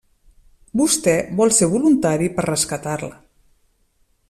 Vostè vol ser voluntari per rescatar-la.